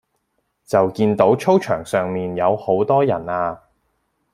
就見到操場上面有好多人呀